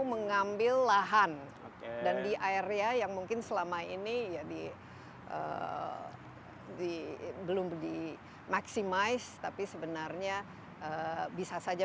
mengambil lahan dan di area yang mungkin selama ini ya di belum dimaksimais tapi sebenarnya bisa saja